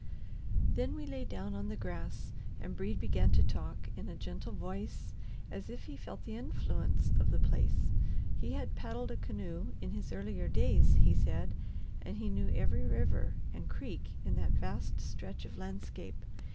Then we lay down on the grass, and Brede began to talk, in a gentle voice, as if he felt the influence of the place. He had paddled a canoe, in his earlier days, he said, and he knew every river and creek in that vast stretch of landscape.